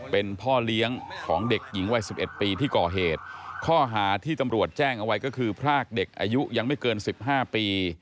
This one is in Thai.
เป็นพ่อเลี้ยงของเด็กหญิงวัยสิบเอ็ดปีที่ก่อเหตุข้อหาที่ตำรวจแจ้งเอาไว้ก็คือพรากเด็กอายุยังไม่เกินสิบห้าปี